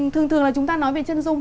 thường thường là chúng ta nói về chân dung